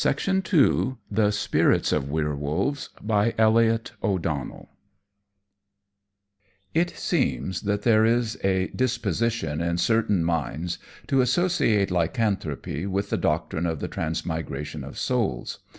CHAPTER III THE SPIRITS OF WERWOLVES It seems that there is a disposition in certain minds to associate lycanthropy with the doctrine of the transmigration of souls.